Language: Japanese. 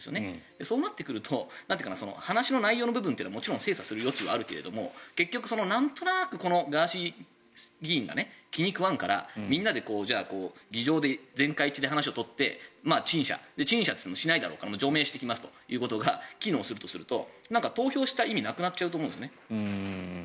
そうなってくると話の内容の部分はもちろん精査する余地はあるけど結局なんとなくガーシー議員が気に食わんからみんなで議場で全会一致で話を取って、陳謝陳謝といってもしないだろうから除名していきますということが機能するとすると投票した意味がなくなっちゃうと思うんですね。